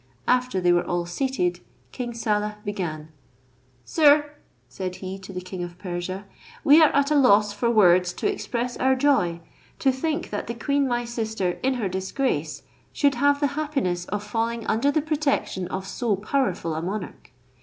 After they were all seated, King Saleh began: "Sir;" said he to the king of Persia, "we are at a loss for words to express our joy, to think that the queen my sister, in her disgrace, should have the happiness of falling under the protection of so powerful a monarch.